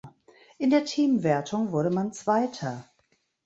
In der Teamwertung wurde man Zweiter.